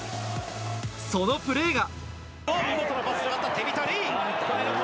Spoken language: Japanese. そのプレーが。